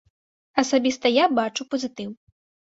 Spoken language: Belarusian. Асабіста я бачу пазітыў.